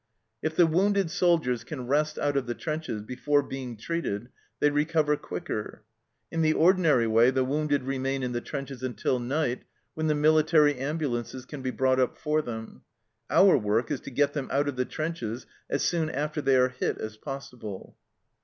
If the wounded soldiers can rest out of the trenches before being treated they recover quicker. In the ordinary way, the wounded remain in the trenches until night, when the military ambulances can be brought up for them. Our work is to get them out of the trenches as soon after they are hit as possible."